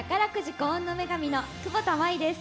「幸運の女神」の久保田茉衣です。